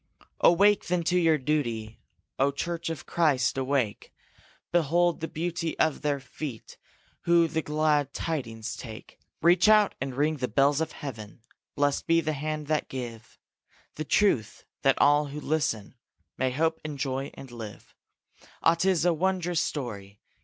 Awake, then, to your duty, O church of Christ, awake! Behold the beauty of their feet Who the glad tidings take! Reach out and ring the bells of heaven; Blest be the hands that give The truth, that all who listen May hope and joy and live! Ah, 'tis a wondrous story!